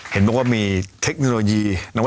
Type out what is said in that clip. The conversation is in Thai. เห็นว่ามีเทคโนโลยีนะครับ